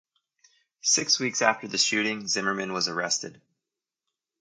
Six weeks after the shooting, Zimmerman was arrested.